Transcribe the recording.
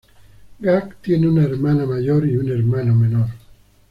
Gackt tiene una hermana mayor y un hermano menor.